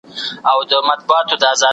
ده د بېلابېلو نظرونو اورېدل ضروري بلل.